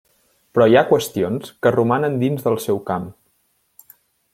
Però hi ha qüestions que romanen dins del seu camp.